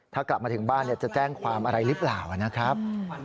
ถ้ากลับมาถึงบ้านจะแจ้งความอะไรหรือเปล่านะครับ